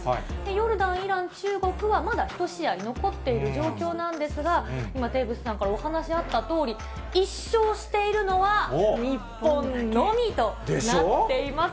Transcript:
ヨルダン、イラン、中国はまだ１試合残っている状況なんですが、今、テーブスさんからお話あったとおり、１勝しているのは日本のみとなっています。